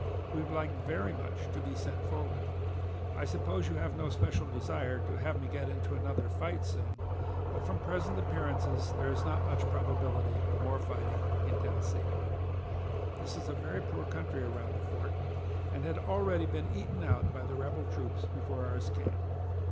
We would like very much to be sent forward. I suppose you have no special desire to have me get into another fight soon, but from present appearances there is not much probability of more fighting in Tennessee. "This is a very poor country around the fort, and had already been eaten out by the rebel troops before ours came.